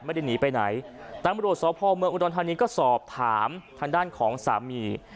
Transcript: ไม่ได้หนีไปไหนตำรวจสพเมืองอุดรธานีก็สอบถามทางด้านของสามี